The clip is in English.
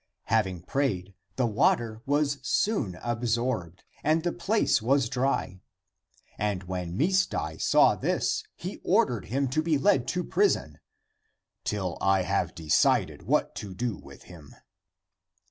Having prayed, the water was soon absorbed, and the place was dry. And when Misdai saw this he ordered him to be led to prison, " till I have decided what to do with him."